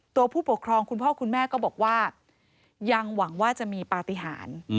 ผู้ปกครองคุณพ่อคุณแม่ก็บอกว่ายังหวังว่าจะมีปฏิหาร